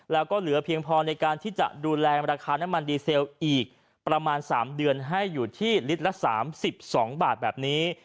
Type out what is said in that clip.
แล้วก็เหลือเพียงพอในการที่จะดูแลราคาน้ำมันดีเซลอีกประมาณ๓เดือนให้อยู่ที่ลิตรละ๓๒บาทแบบนี้